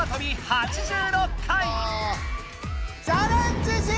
８６回！